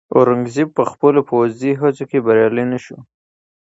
اورنګزېب په خپلو پوځي هڅو کې بریالی نه شو.